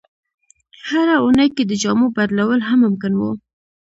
هره اونۍ کې د جامو بدلول هم ممکن وو.